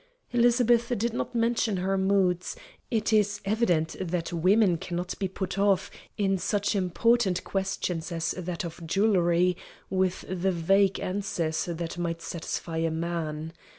Elizabeth did not mention her moods it is evident that women cannot be put off, in such important questions as that of jewelry, with the vague answers that might satisfy a man.